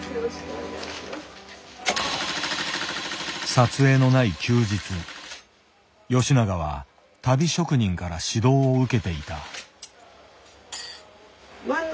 撮影のない休日吉永は足袋職人から指導を受けていた。